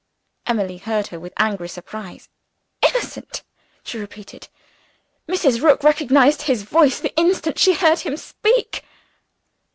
Emily heard her with angry surprise. "Innocent?" she repeated. "Mrs. Rook recognized his voice the instant she heard him speak."